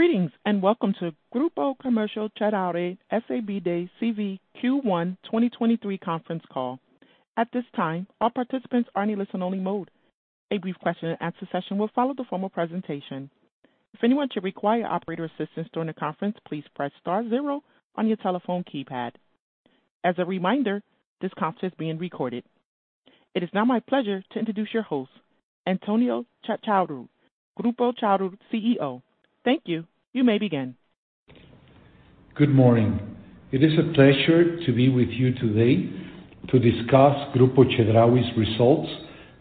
Greetings, welcome to Q1 2023 conference call. At this time, all participants are in listen-only mode. A brief question-and-answer session will follow the formal presentation. If anyone should require operator assistance during the conference, please press star zero on your telephone keypad. As a reminder, this conference is being recorded. It is now my pleasure to introduce your host, Antonio Chedraui, Grupo Chedraui CEO. Thank you. You may begin. Good morning. It is a pleasure to be with you today to discuss Grupo Chedraui's results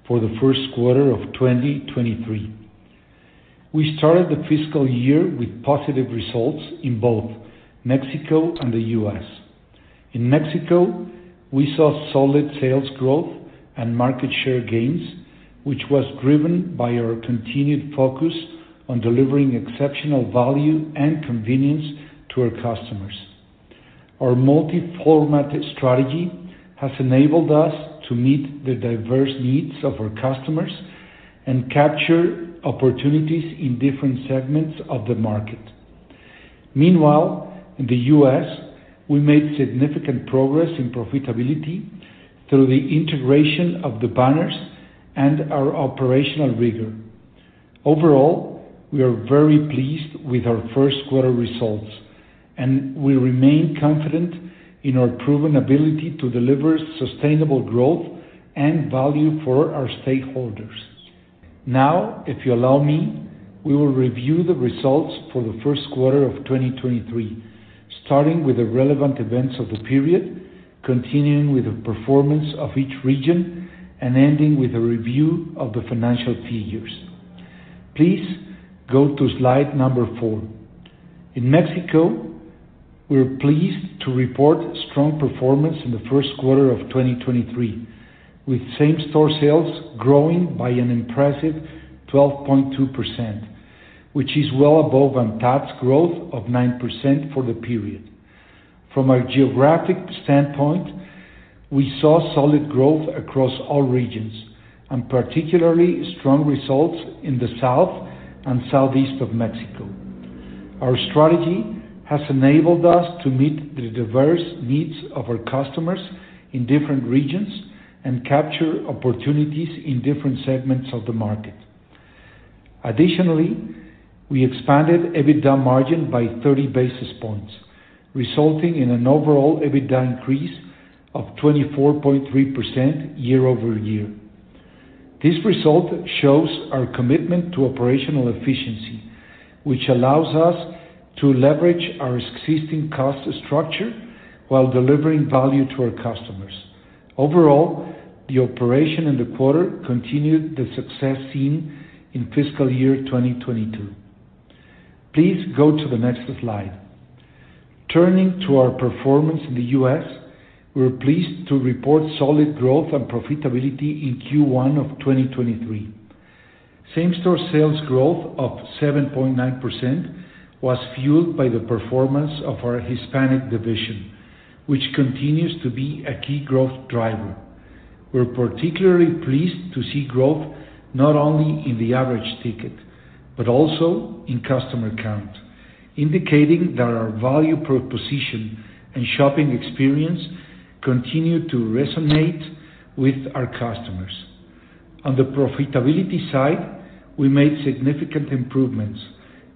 for the first quarter of 2023. We started the fiscal year with positive results in both Mexico and the U.S. In Mexico, we saw solid sales growth and market share gains, which was driven by our continued focus on delivering exceptional value and convenience to our customers. Our multi-format strategy has enabled us to meet the diverse needs of our customers and capture opportunities in different segments of the market. Meanwhile, in the U.S., we made significant progress in profitability through the integration of the banners and our operational rigor. Overall, we are very pleased with our first quarter results, and we remain confident in our proven ability to deliver sustainable growth and value for our stakeholders. If you allow me, we will review the results for the first quarter of 2023, starting with the relevant events of the period, continuing with the performance of each region, and ending with a review of the financial figures. Please go to slide number four. In Mexico, we're pleased to report strong performance in the first quarter of 2023, with same-store sales growing by an impressive 12.2%, which is well above ANTAD growth of 9% for the period. From a geographic standpoint, we saw solid growth across all regions, and particularly strong results in the south and southeast of Mexico. Our strategy has enabled us to meet the diverse needs of our customers in different regions and capture opportunities in different segments of the market. Additionally, we expanded EBITDA margin by 30 basis points, resulting in an overall EBITDA increase of 24.3% year-over-year. This result shows our commitment to operational efficiency, which allows us to leverage our existing cost structure while delivering value to our customers. Overall, the operation in the quarter continued the success seen in fiscal year 2022. Please go to the next slide. Turning to our performance in the U.S., we're pleased to report solid growth and profitability in Q1 of 2023. Same-store sales growth of 7.9% was fueled by the performance of our Hispanic division, which continues to be a key growth driver. We're particularly pleased to see growth not only in the average ticket, but also in customer count, indicating that our value proposition and shopping experience continue to resonate with our customers. On the profitability side, we made significant improvements,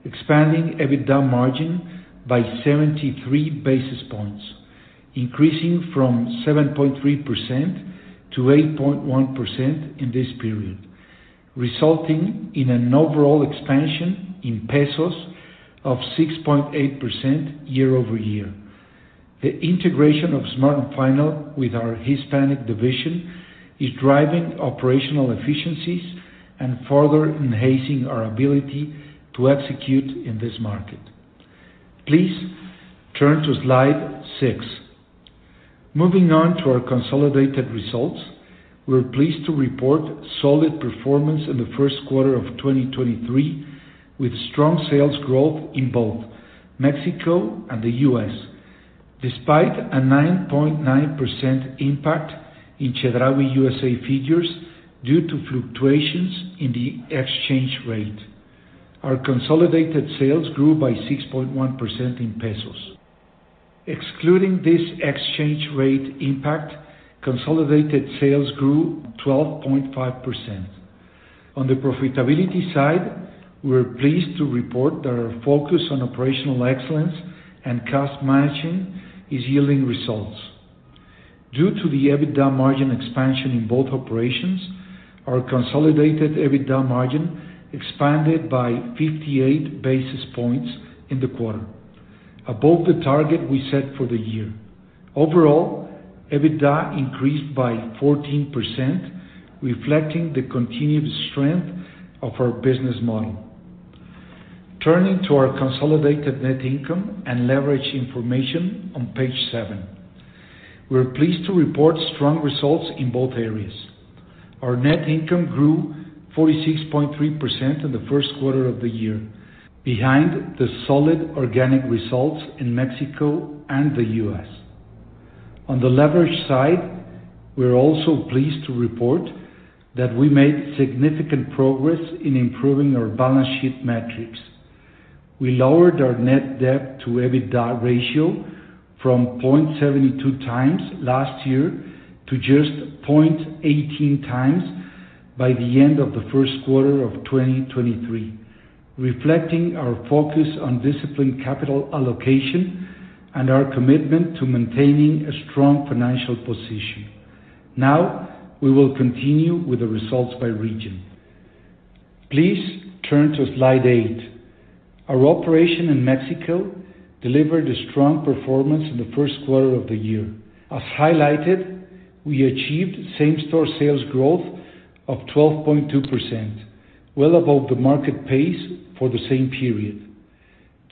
expanding EBITDA margin by 73 basis points, increasing from 7.3%-8.1% in this period, resulting in an overall expansion in MXN of 6.8% year-over-year. The integration of Smart & Final with our Hispanic division is driving operational efficiencies and further enhancing our ability to execute in this market. Please turn to slide six. Moving on to our consolidated results, we're pleased to report solid performance in the first quarter of 2023, with strong sales growth in both Mexico and the U.S. Despite a 9.9% impact in Chedraui USA figures due to fluctuations in the exchange rate, our consolidated sales grew by 6.1% in MXN. Excluding this exchange rate impact, consolidated sales grew 12.5%. On the profitability side, we're pleased to report that our focus on operational excellence and cost managing is yielding results. Due to the EBITDA margin expansion in both operations, our consolidated EBITDA margin expanded by 58 basis points in the quarter, above the target we set for the year. Overall, EBITDA increased by 14%, reflecting the continued strength of our business model. Turning to our consolidated net income and leverage information on page seven. We're pleased to report strong results in both areas. Our net income grew 46.3% in the first quarter of the year behind the solid organic results in Mexico and the U.S. On the leverage side, we're also pleased to report that we made significant progress in improving our balance sheet metrics. We lowered our net debt to EBITDA ratio from 0.72x last year to just 0.18x by the end of Q1 2023, reflecting our focus on disciplined capital allocation and our commitment to maintaining a strong financial position. We will continue with the results by region. Please turn to slide eight. Our operation in Mexico delivered a strong performance in Q1 of the year. As highlighted, we achieved same-store sales growth of 12.2%, well above the market pace for the same period.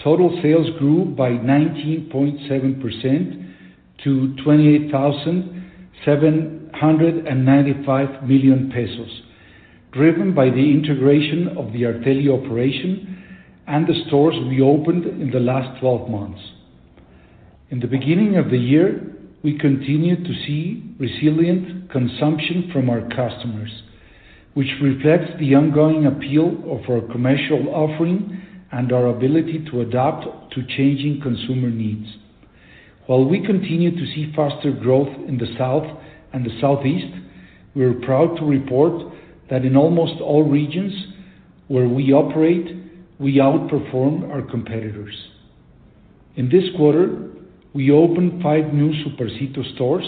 Total sales grew by 19.7% to 28,795 million pesos, driven by the integration of the Arteli operation and the stores we opened in the last 12 months. In the beginning of the year, we continued to see resilient consumption from our customers, which reflects the ongoing appeal of our commercial offering and our ability to adapt to changing consumer needs. While we continue to see faster growth in the South and the Southeast, we are proud to report that in almost all regions where we operate, we outperformed our competitors. In this quarter, we opened five new Supercito stores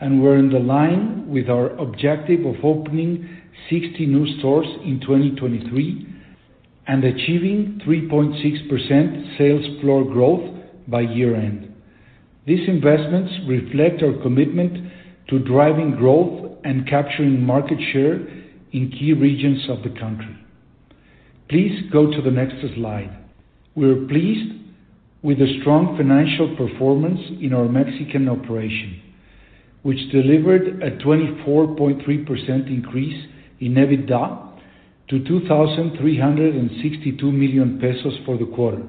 and we're in line with our objective of opening 60 new stores in 2023 and achieving 3.6% sales floor growth by year-end. These investments reflect our commitment to driving growth and capturing market share in key regions of the country. Please go to the next slide. We're pleased with the strong financial performance in our Mexican operation, which delivered a 24.3% increase in EBITDA to 2,362 million pesos for the quarter.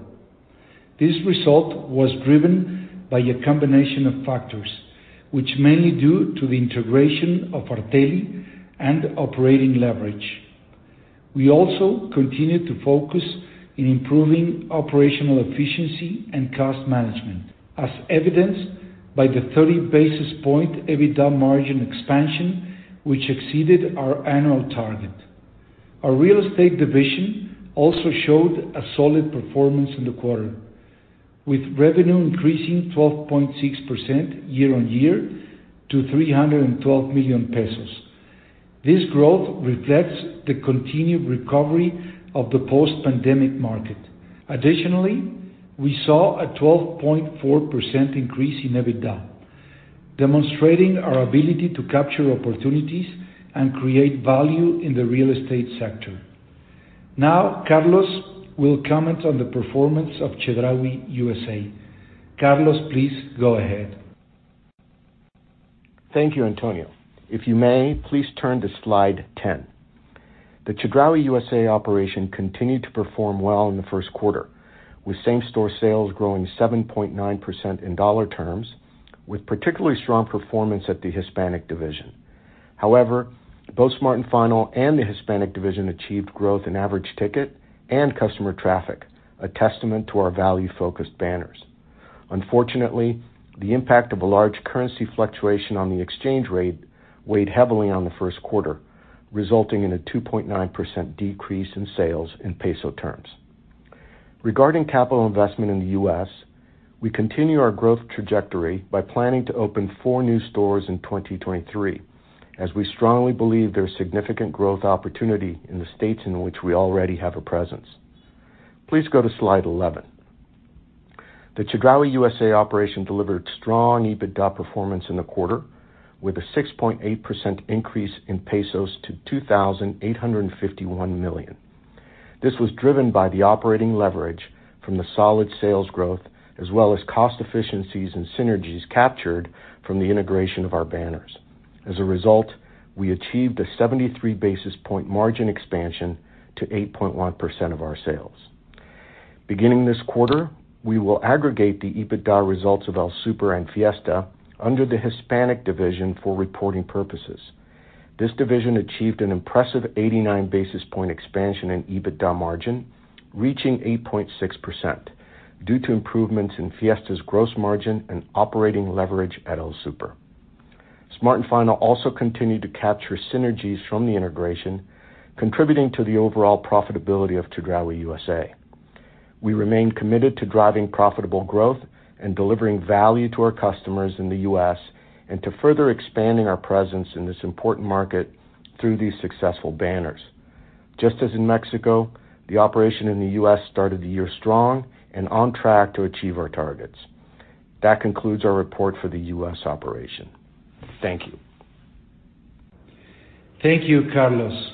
This result was driven by a combination of factors, which mainly due to the integration of Arteli and operating leverage. We also continued to focus in improving operational efficiency and cost management, as evidenced by the 30 basis point EBITDA margin expansion, which exceeded our annual target. Our real estate division also showed a solid performance in the quarter, with revenue increasing 12.6% year-on-year to 312 million pesos. This growth reflects the continued recovery of the post-pandemic market. Additionally, we saw a 12.4% increase in EBITDA, demonstrating our ability to capture opportunities and create value in the real estate sector. Carlos will comment on the performance of Chedraui USA. Carlos, please go ahead. Thank you, Antonio. Please turn to slide 10. The Chedraui USA operation continued to perform well in the first quarter, with same-store sales growing 7.9% in dollar terms, with particularly strong performance at the Hispanic division. Both Smart & Final and the Hispanic division achieved growth in average ticket and customer traffic, a testament to our value-focused banners. The impact of a large currency fluctuation on the exchange rate weighed heavily on the first quarter, resulting in a 2.9% decrease in sales in peso terms. Regarding capital investment in the U.S., we continue our growth trajectory by planning to open four new stores in 2023, as we strongly believe there's significant growth opportunity in the states in which we already have a presence. Please go to slide 11. The Chedraui USA operation delivered strong EBITDA performance in the quarter, with a 6.8% increase in pesos to 2,851 million. This was driven by the operating leverage from the solid sales growth as well as cost efficiencies and synergies captured from the integration of our banners. As a result, we achieved a 73 basis point margin expansion to 8.1% of our sales. Beginning this quarter, we will aggregate the EBITDA results of El Super and Fiesta under the Hispanic division for reporting purposes. This division achieved an impressive 89 basis point expansion in EBITDA margin, reaching 8.6% due to improvements in Fiesta's gross margin and operating leverage at El Super. Smart & Final also continued to capture synergies from the integration, contributing to the overall profitability of Chedraui USA. We remain committed to driving profitable growth and delivering value to our customers in the U.S. and to further expanding our presence in this important market through these successful banners. Just as in Mexico, the operation in the U.S. started the year strong and on track to achieve our targets. That concludes our report for the U.S. operation. Thank you. Thank you, Carlos.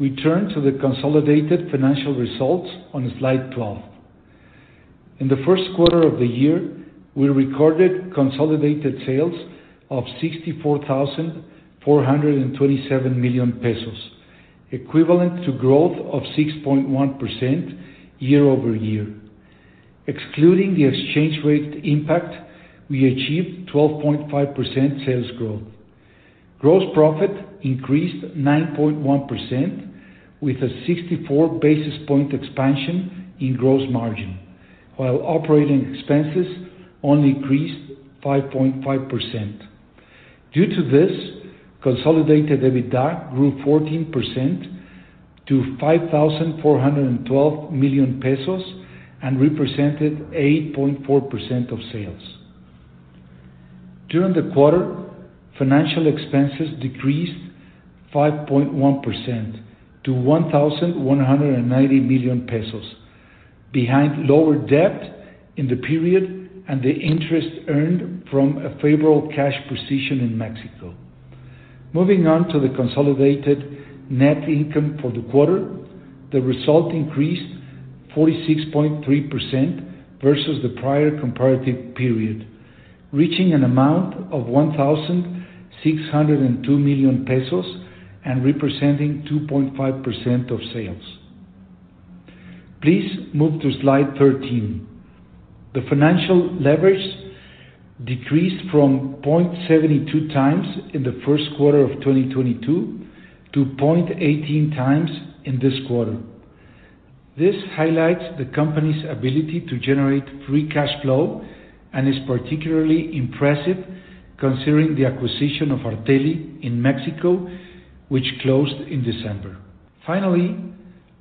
We turn to the consolidated financial results on slide 12. In the first quarter of the year, we recorded consolidated sales of 64,427 million pesos. Equivalent to growth of 6.1% year-over-year. Excluding the exchange rate impact, we achieved 12.5% sales growth. Gross profit increased 9.1% with a 64 basis point expansion in gross margin, while operating expenses only increased 5.5%. Due to this, consolidated EBITDA grew 14% to 5,412 million pesos and represented 8.4% of sales. During the quarter, financial expenses decreased 5.1% to 1,190 million pesos, behind lower debt in the period and the interest earned from a favorable cash position in Mexico. Moving on to the consolidated net income for the quarter, the result increased 46.3% versus the prior comparative period, reaching an amount of 1,602 million pesos and representing 2.5% of sales. Please move to slide 13. The financial leverage decreased from 0.72x in the first quarter of 2022 to 0.18 times in this quarter. This highlights the company's ability to generate free cash flow and is particularly impressive considering the acquisition of Arteli in Mexico, which closed in December. The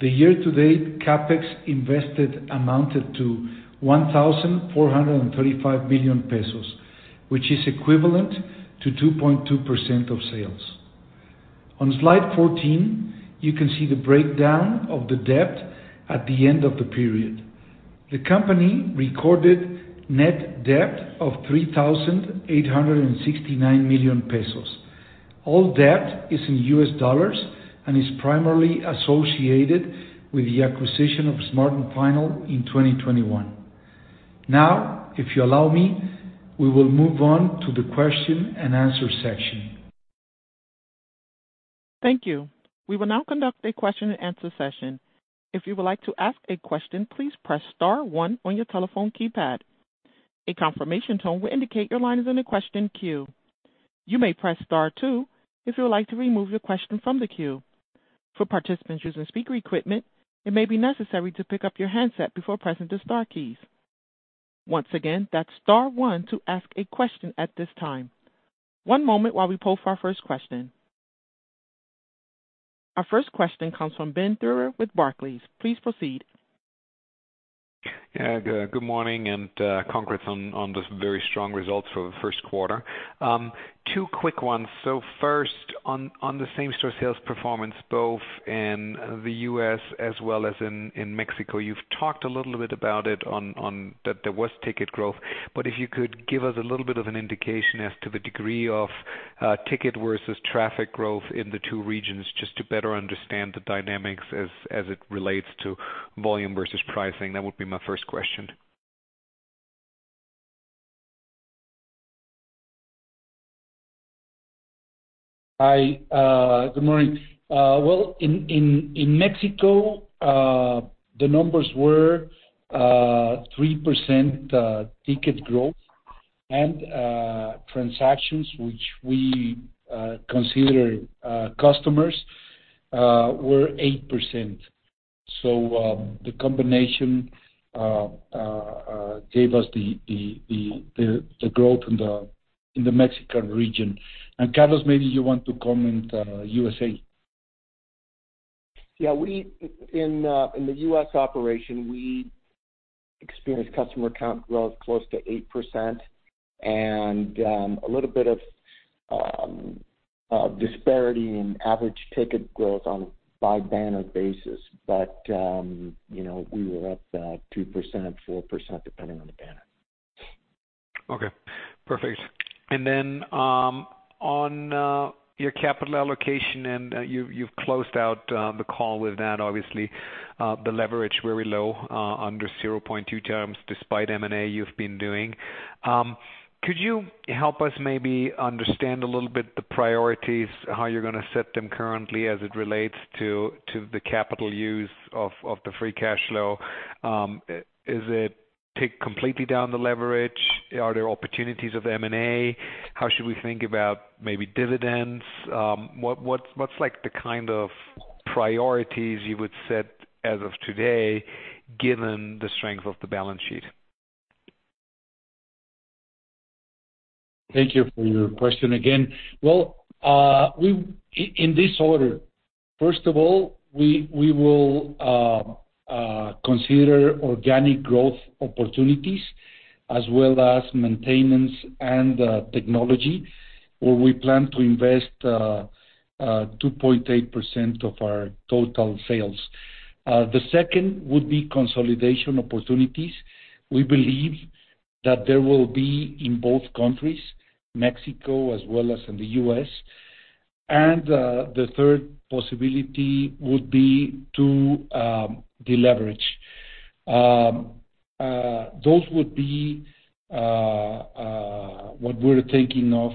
year-to-date CapEx invested amounted to 1,435 million pesos, which is equivalent to 2.2% of sales. On slide 14, you can see the breakdown of the debt at the end of the period. The company recorded net debt of 3,869 million pesos. All debt is in U.S. dollars and is primarily associated with the acquisition of Smart & Final in 2021. Now, if you allow me, we will move on to the question-and-answer section. Thank you. We will now conduct a question-and-answer session. If you would like to ask a question, please press star one on your telephone keypad. A confirmation tone will indicate your line is in a question queue. You may press star two if you would like to remove your question from the queue. For participants using speaker equipment, it may be necessary to pick up your handset before pressing the star keys. Once again, that's star one to ask a question at this time. One moment while we poll for our first question. Our first question comes from Ben Theurer with Barclays. Please proceed. Good morning, and congrats on the very strong results for the first quarter. Two quick ones. First, on the same-store sales performance, both in the U.S. as well as in Mexico. You've talked a little bit about it on that there was ticket growth, but if you could give us a little bit of an indication as to the degree of ticket versus traffic growth in the two regions, just to better understand the dynamics as it relates to volume versus pricing. That would be my first question? Hi, good morning. Well, in Mexico, the numbers were, 3%, ticket growth and, transactions which we, consider, customers, were 8%. The combination, gave us the growth in the Mexican region. Carlos, maybe you want to comment, USA. Yeah, in the U.S. operation, we experienced customer count growth close to 8% and a little bit of disparity in average ticket growth on by banner basis. You know, we were up 2%, 4%, depending on the banner. Okay, perfect. On your capital allocation, you've closed out the call with that, obviously, the leverage very low, under 0.2x, despite M&A you've been doing. Could you help us maybe understand a little bit the priorities, how you're gonna set them currently as it relates to the capital use of the free cash flow? Is it take completely down the leverage? Are there opportunities of M&A? How should we think about maybe dividends? What's like the kind of priorities you would set as of today, given the strength of the balance sheet? Thank you for your question again. Well, in this order, first of all, we will consider organic growth opportunities as well as maintenance and technology, where we plan to invest 2.8% of our total sales. The second would be consolidation opportunities. We believe that there will be in both countries, Mexico as well as in the U.S. The third possibility would be to deleverage. Those would be what we're thinking of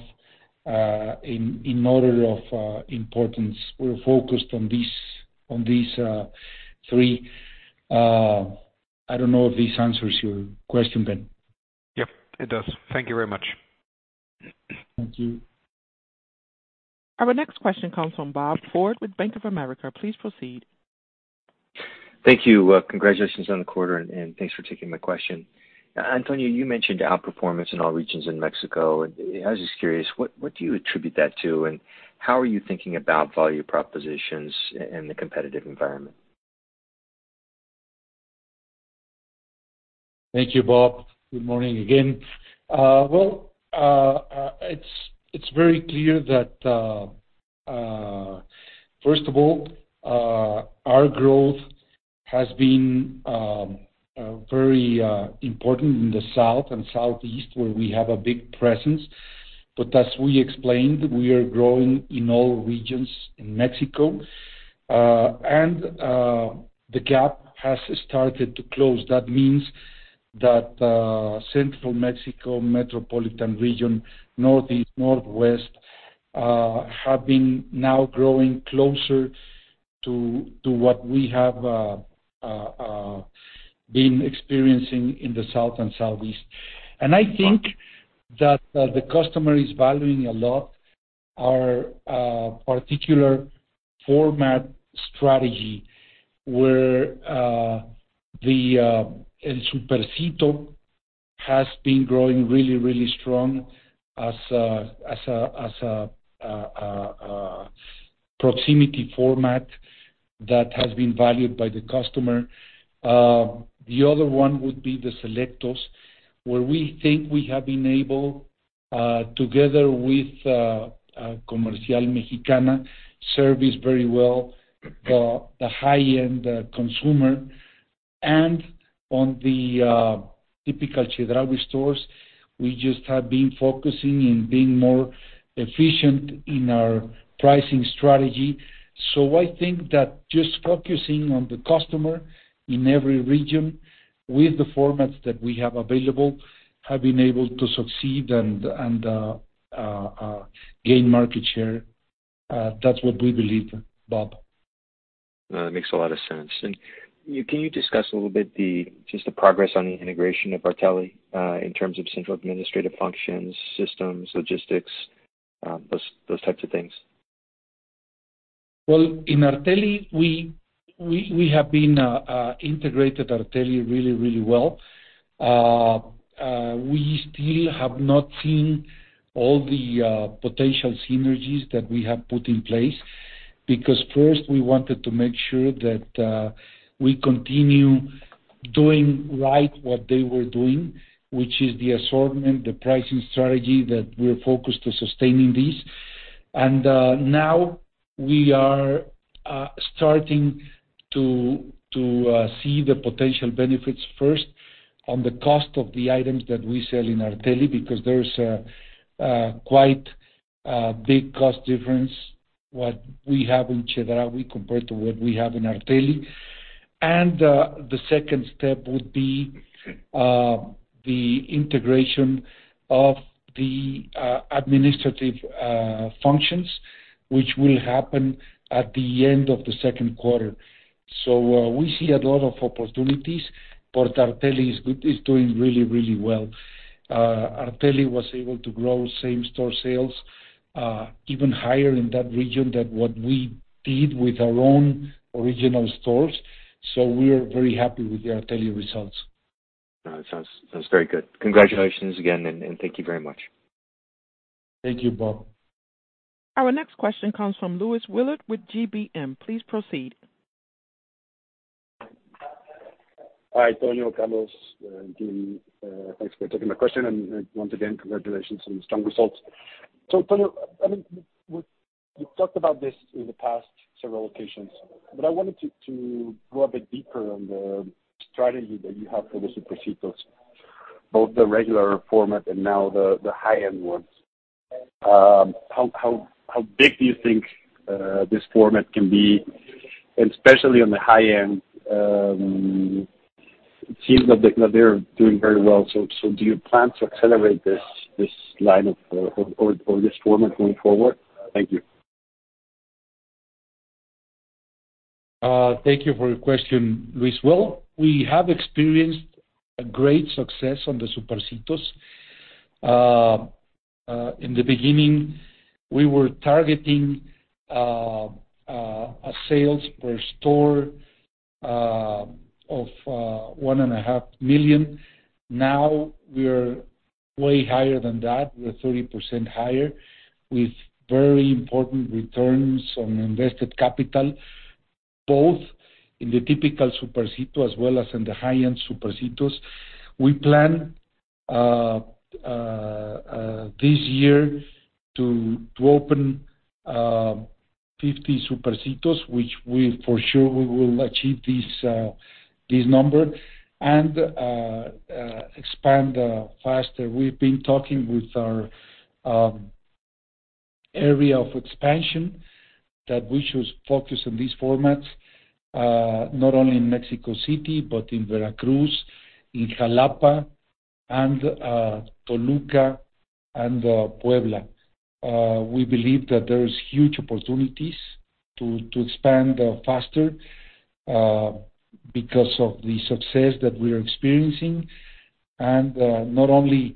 in order of importance. We're focused on these three. I don't know if this answers your question, Ben. Yep, it does. Thank you very much. Thank you. Our next question comes from Bob Ford with Bank of America. Please proceed. Thank you. Congratulations on the quarter, and thanks for taking my question. Antonio, you mentioned outperformance in all regions in Mexico. I was just curious, what do you attribute that to, and how are you thinking about value propositions in the competitive environment? Thank you, Bob. Good morning again. Well, it's very clear that first of all, our growth has been very important in the south and southeast where we have a big presence. As we explained, we are growing in all regions in Mexico. The gap has started to close. That means that central Mexico, metropolitan region, northeast, northwest, have been now growing closer to what we have been experiencing in the south and southeast. I think that the customer is valuing a lot our particular format strategy, where the Supercito has been growing really strong as a proximity format that has been valued by the customer. The other one would be the Selecto, where we think we have been able, together with Comercial Mexicana, service very well the high-end consumer. On the typical Chedraui stores, we just have been focusing in being more efficient in our pricing strategy. I think that just focusing on the customer in every region with the formats that we have available, have been able to succeed and gain market share. That's what we believe, Bob. That makes a lot of sense. Can you discuss a little bit just the progress on the integration of Arteli in terms of central administrative functions, systems, logistics, those types of things? Well, in Arteli, we have been integrated Arteli really well. We still have not seen all the potential synergies that we have put in place, because first we wanted to make sure that we continue doing right what they were doing, which is the assortment, the pricing strategy that we're focused to sustaining this. Now we are starting to see the potential benefits first on the cost of the items that we sell in Arteli, because there's a quite big cost difference, what we have in Chedraui compared to what we have in Arteli. The second step would be the integration of the administrative functions, which will happen at the end of the second quarter. We see a lot of opportunities, but Arteli is doing really, really well. Arteli was able to grow same-store sales, even higher in that region than what we did with our own original stores. We are very happy with the Arteli results. That sounds very good. Congratulations again, and thank you very much. Thank you, Bob. Our next question comes from Luis Willard with GBM. Please proceed. Hi, Antonio, Carlos, and team. Thanks for taking my question. Once again, congratulations on the strong results. Antonio, I mean, we've talked about this in the past several occasions, but I wanted to go a bit deeper on the strategy that you have for the Supercitos, both the regular format and now the high-end ones. How big do you think this format can be, and especially on the high end? It seems that they're doing very well. Do you plan to accelerate this line of, or this format going forward? Thank you. Thank you for your question, Luis. Well, we have experienced a great success on the Supercitos. In the beginning, we were targeting a sales per store of 1.5 million. Now we are way higher than that. We're 30% higher, with very important returns on invested capital, both in the typical Supercito as well as in the high-end Supercitos. We plan this year to open 50 Supercitos, which we for sure we will achieve this number, and expand faster. We've been talking with our Area of expansion that we should focus on these formats, not only in Mexico City but in Veracruz, in Jalapa, and Toluca, and Puebla. We believe that there is huge opportunities to expand faster, because of the success that we are experiencing, not only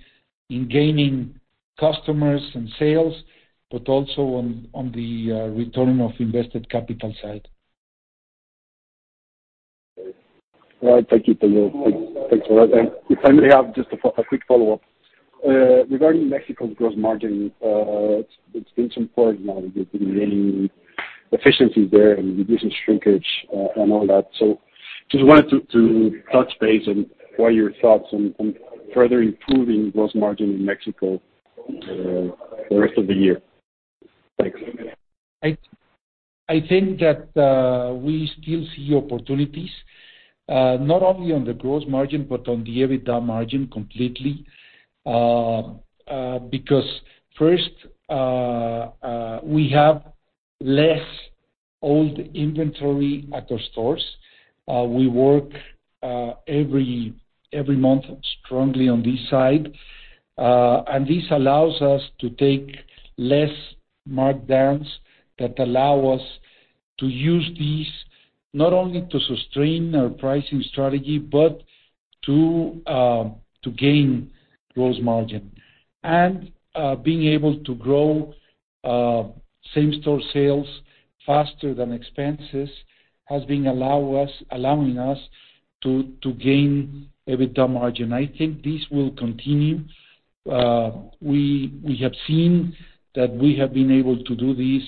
in gaining customers and sales but also on the return of invested capital side. All right. Thank you, Pedro. Thanks a lot. If I may have just a quick follow-up. Regarding Mexico's gross margin, it's been some part now, you've been gaining efficiencies there and reducing shrinkage, and all that. Just wanted to touch base on what are your thoughts on further improving gross margin in Mexico the rest of the year. Thanks. I think that we still see opportunities, not only on the gross margin but on the EBITDA margin completely. Because first, we have less old inventory at our stores. We work every month strongly on this side. This allows us to take less markdowns that allow us to use these not only to sustain our pricing strategy but to gain gross margin. Being able to grow same-store sales faster than expenses has been allowing us to gain EBITDA margin. I think this will continue. We have seen that we have been able to do this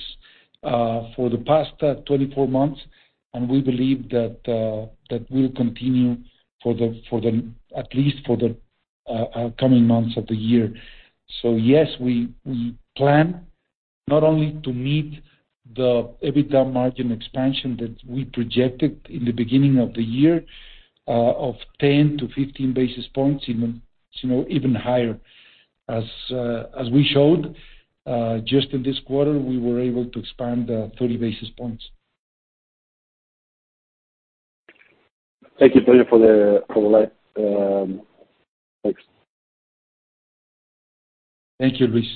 for the past 24 months, and we believe that that will continue for the, at least for the coming months of the year. yes, we plan not only to meet the EBITDA margin expansion that we projected in the beginning of the year, of 10-15 basis points, even, you know, even higher. As, as we showed, just in this quarter, we were able to expand, 30 basis points. Thank you, Pedro, for the light. Thanks. Thank you, Luis.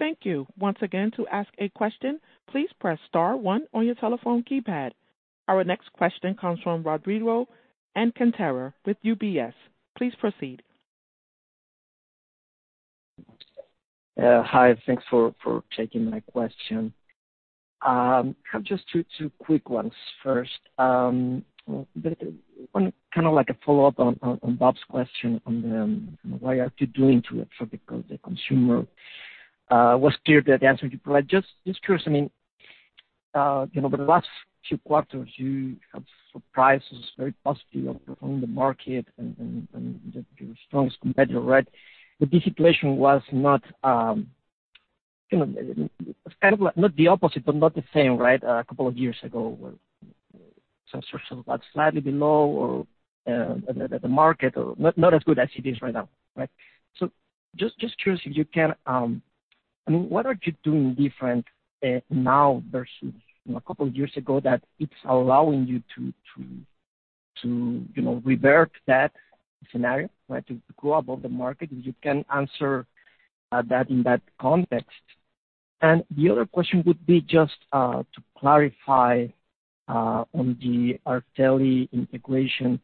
Thank you. Once again, to ask a question, please press star one on your telephone keypad. Our next question comes from Rodrigo Alcantara with UBS. Please proceed. Hi, thanks for taking my question. I have just two quick ones. First, one kind of like a follow-up on Bob's question on why are you doing to it because the consumer was clear that the answer you provide just is curious. I mean, you know, the last few quarters you have surprised us very positively on the market and your strongest competitor, right? This situation was not, you know, kind of not the opposite, but not the same, right? A couple of years ago, some sources about slightly below or the market or not as good as it is right now, right? Just curious if you can, I mean, what are you doing different now versus two years ago that it's allowing you to, you know, revert that scenario, right? To grow above the market, if you can answer that in that context. The other question would be just to clarify on the Arteli integration.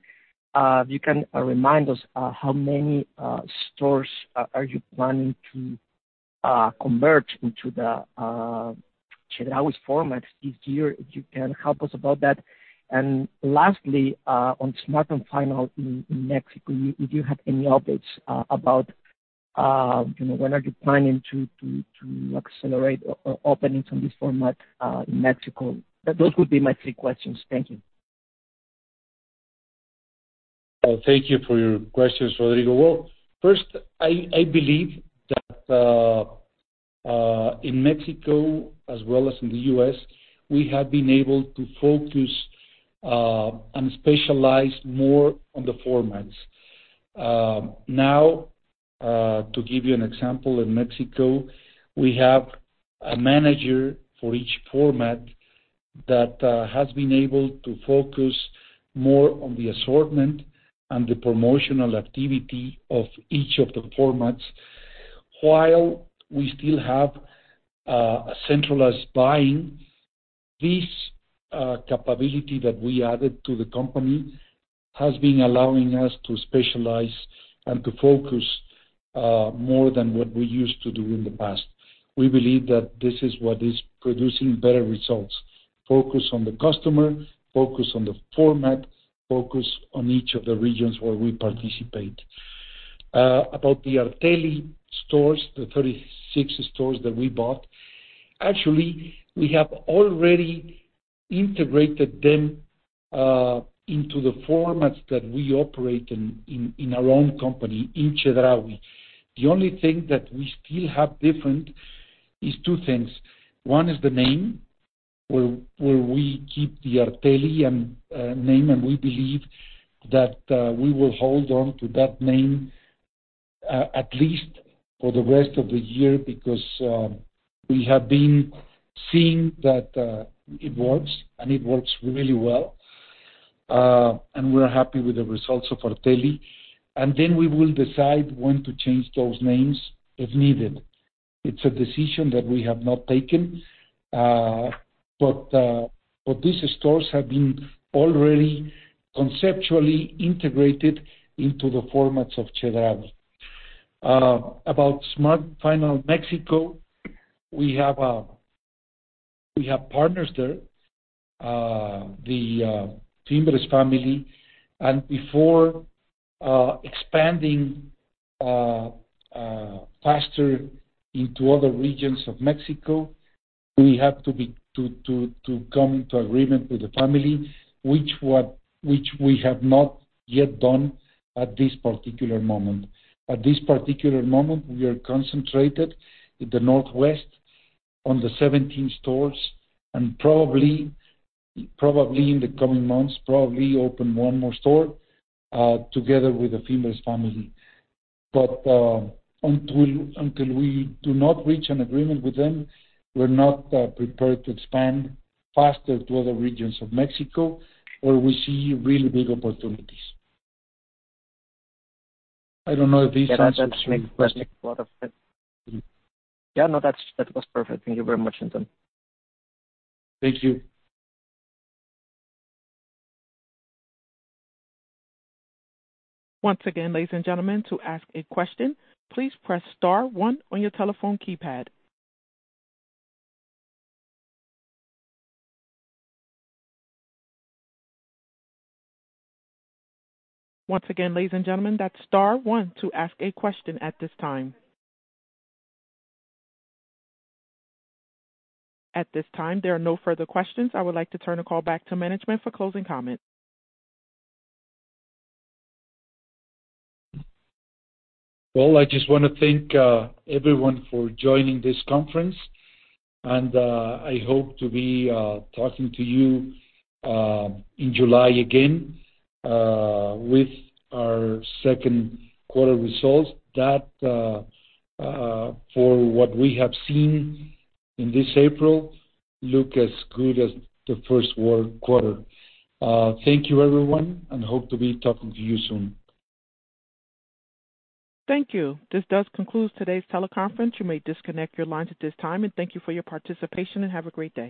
If you can remind us how many stores are you planning to convert into the Chedraui format this year, if you can help us about that. Lastly, on Smart & Final in Mexico, if you have any updates about, you know, when are you planning to accelerate openings on this format in Mexico? Those would be my three questions. Thank you. Thank you for your questions, Rodrigo. Well, first, I believe that in Mexico as well as in the U.S., we have been able to focus and specialize more on the formats. Now, to give you an example, in Mexico, we have a manager for each format that has been able to focus more on the assortment and the promotional activity of each of the formats. While we still have a centralized buying, this capability that we added to the company has been allowing us to specialize and to focus more than what we used to do in the past. We believe that this is what is producing better results, focus on the customer, focus on the format, focus on each of the regions where we participate. About the Arteli stores, the 36 stores that we bought. Actually, we have already integrated them into the formats that we operate in our own company in Chedraui. The only thing that we still have different is two things. One is the name where we keep the Arteli and name, and we believe that we will hold on to that name at least for the rest of the year because we have been seeing that it works, and it works really well. We're happy with the results of Arteli. We will decide when to change those names, if needed. It's a decision that we have not taken, but these stores have been already conceptually integrated into the formats of Chedraui. About Smart & Final Mexico, we have partners there, the Jimenez family. Before expanding faster into other regions of Mexico, we have to come to agreement with the family, which we have not yet done at this particular moment. At this particular moment, we are concentrated in the northwest on the 17 stores, and probably in the coming months, probably open 1 more store together with the Jimenez family. Until we do not reach an agreement with them, we're not prepared to expand faster to other regions of Mexico where we see really big opportunities. I don't know if this answers your question. Yeah, no, that was perfect. Thank you very much, Antonio. Thank you. Once again, ladies and gentlemen, to ask a question, please press star one on your telephone keypad. Once again, ladies and gentlemen, that's star one to ask a question at this time. At this time, there are no further questions. I would like to turn the call back to management for closing comments. Well, I just wanna thank everyone for joining this conference, and I hope to be talking to you in July again with our second quarter results. That for what we have seen in this April, look as good as the first quarter. Thank you, everyone, and hope to be talking to you soon. Thank you. This does conclude today's teleconference. You may disconnect your lines at this time. Thank you for your participation, and have a great day.